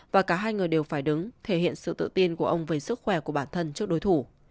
và cả hai người đều phải đứng thể hiện sự tự tin của ông về sức khỏe của bản thân trước đối thủ